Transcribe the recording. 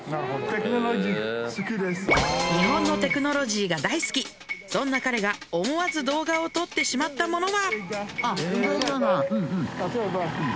日本のテクノロジーが大好きそんな彼が思わず動画を撮ってしまったものは？